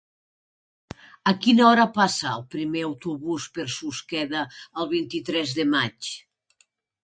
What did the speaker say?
A quina hora passa el primer autobús per Susqueda el vint-i-tres de maig?